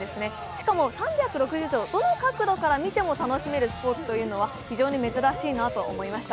しかも３６０度、どの角度から見ても楽しめるスポーツというのは非常に珍しいなと思いました。